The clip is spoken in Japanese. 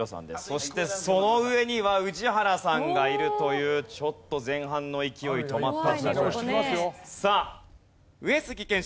そしてその上には宇治原さんがいるというちょっと前半の勢い止まった。